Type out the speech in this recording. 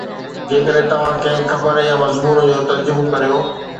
جيڪڏھن توھان ڪنھن خبر يا مضمون جو ترجمو ڪريو